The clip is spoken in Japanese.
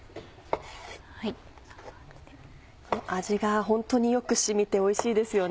味が本当によく染みておいしいですよね。